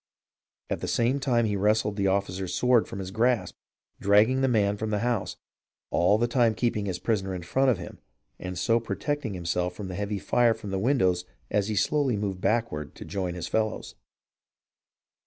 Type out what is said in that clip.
" At the same time he wrested the officer's sword from his grasp and dragged the man from the house, all the time keeping his prisoner in front of him and so protecting himself from the heavy fire from the windows as he slowly moved back ward to join his fellows.